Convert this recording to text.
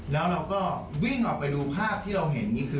แล้วก็วิ่งออกไปดูภาพที่เราเห็นกับพี่ชายแล้ว